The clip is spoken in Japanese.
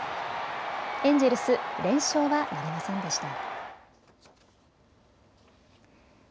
エンジェルス連勝はなりませんでした。